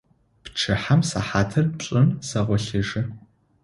Пчыхьэм сыхьатыр пшӀым сэгъолъыжьы.